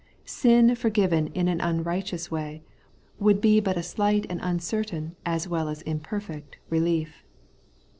Sin forgiven in an unrighteous way, would be but a slight and un certain as well as imperfect relief.